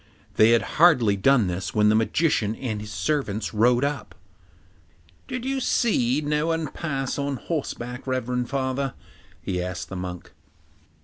They had hardly done this when the magician and his servants rode up. 'Did you see no one pass by on horseback, reverend father?' he asked the monk.